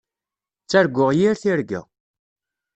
Ttarguɣ yir tirga.